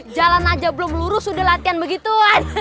jalan aja belum lurus sudah latihan begitu